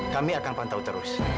kami akan pantau terus